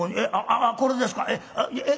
あっこれですか。